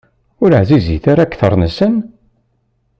Ur ɛzizit ara akteṛ-nsen?